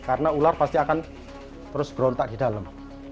karena ular pasti akan terus berontak di dalam